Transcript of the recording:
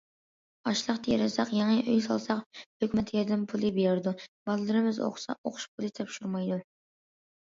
ئاشلىق تېرىساق، يېڭى ئۆي سالساق ھۆكۈمەت ياردەم پۇلى بېرىدۇ، بالىلىرىمىز ئوقۇسا ئوقۇش پۇلى تاپشۇرمايدۇ.